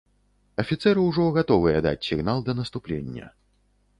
Афіцэры ўжо гатовыя даць сігнал да наступлення.